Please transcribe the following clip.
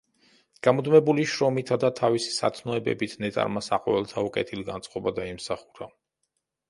გამუდმებული შრომითა და თავისი სათნოებებით ნეტარმა საყოველთაო კეთილგანწყობა დაიმსახურა.